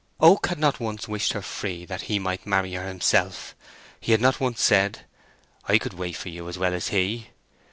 Oak had not once wished her free that he might marry her himself—had not once said, "I could wait for you as well as he."